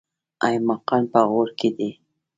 ایماقان په غور کې دي؟